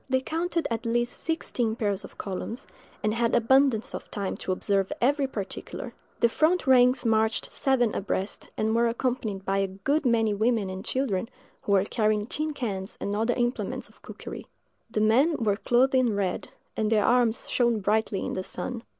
They counted at least sixteen pairs of columns, and had abundance of time to observe every particular. The front ranks marched seven abreast, and were accompanied by a good many women and children, who were carrying tin cans and other implements of cookery. The men were clothed in red, and their arms shone brightly in the sun.